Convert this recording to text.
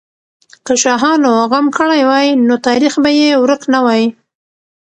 که شاهانو غم کړی وای، نو تاریخ به یې ورک نه وای.